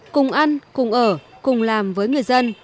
cùng ăn cùng ở cùng làm với người dân